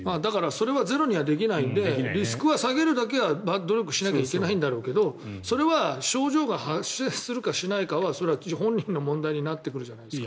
それはゼロにはできないのでリスクは下げるだけは努力しなきゃいけないんだろうけど症状が発生するかしないかはそれは本人の問題になってくるじゃないですか。